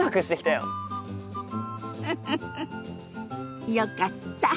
フフフよかった。